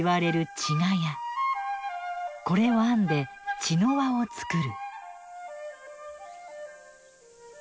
これを編んで「茅の輪」を作る。